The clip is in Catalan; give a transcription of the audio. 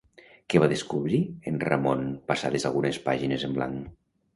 Què va descobrir en Ramon passades algunes pàgines en blanc?